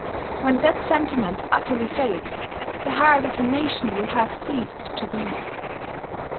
When that sentiment utterly fails, the heart of a nation will have ceased to beat.